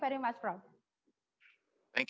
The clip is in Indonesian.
terima kasih banyak